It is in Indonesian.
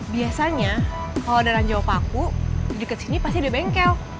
biasanya kalau ada ranjau paku di dekat sini pasti udah bengkel